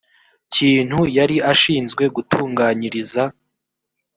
kintu yari ashinzwe gutunganyiriza